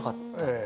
ええ。